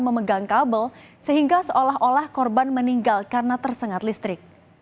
memegang kabel sehingga seolah olah korban meninggal karena tersengat listrik